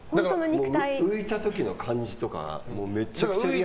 浮いた時の感じとかめちゃくちゃリアル。